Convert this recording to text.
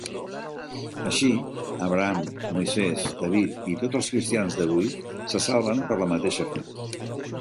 Així, Abraham, Moisès, David i tots els cristians d'avui se salven per la mateixa fe.